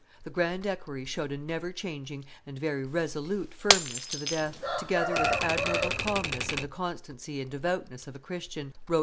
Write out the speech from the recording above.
"The grand equerry showed a never changing and very resolute firmness to the death, together with admirable calmness and the constancy and devoutness of a Christian," wrote M.